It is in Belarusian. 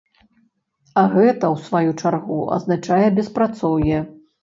А гэта ў сваю чаргу азначае беспрацоўе.